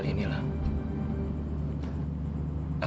aku ingin melamar kamu